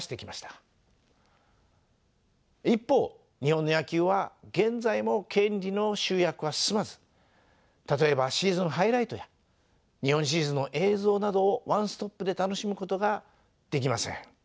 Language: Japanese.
一方日本の野球は現在も権利の集約は進まず例えばシーズンハイライトや日本シリーズの映像などをワンストップで楽しむことができません。